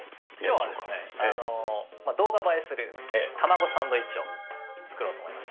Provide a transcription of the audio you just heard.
きょうはですね、動画映えするたまごサンドイッチを作ろうと思います。